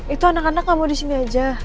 itu anak anak kamu disini aja